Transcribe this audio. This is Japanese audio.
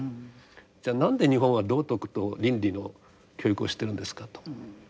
じゃあ何で日本は道徳と倫理の教育をしてるんですかと。